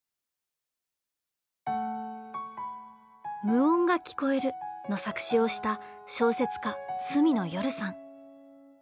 「無音が聴こえる」の作詞をした小説家住野よるさん。